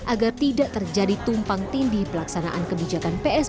agar tidak terjadi tumpang tindi pelaksanaan kebijakan psbb di lapangan